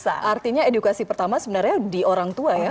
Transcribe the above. artinya edukasi pertama sebenarnya di orang tua ya